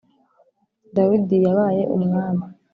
dawidi yabaye umwami